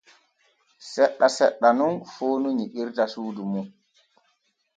Seɗɗa seɗɗa nun foonu nyiɓata suudu mum.